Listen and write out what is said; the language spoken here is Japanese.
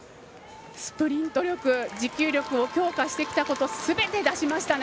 スプリント力持久力を強化してきたことすべて出しましたね。